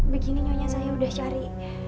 begini nyonya saya udah cari